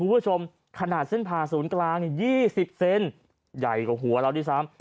คุณผู้ชมขนาดเส้นผ่าศูนย์กลางเนี่ยยี่สิบเซนต์ใหญ่กว่าหัวเราที่สาม